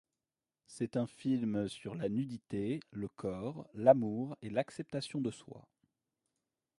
C’est un film sur la nudité, le corps, l’amour et l’acceptation de soi.